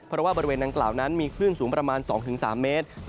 เพราะว่าบริเวณดังกล่าวนั้นมีคลื่นสูงประมาณ๒๓เมตร